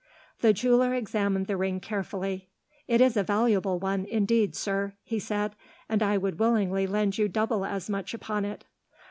The jeweller examined the ring carefully. "It is a valuable one, indeed, sir," he said, "and I would willingly lend you double as much upon it."